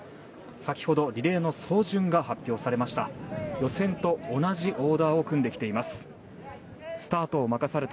先ほど、リレーの走順が発表されました。